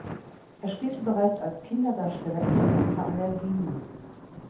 Er spielte bereits als Kinderdarsteller im Theater an der Wien.